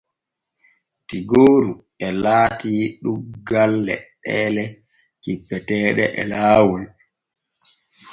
Tiggooru e laati ɗuuggal leɗɗeele cippeteeɗe e laawol.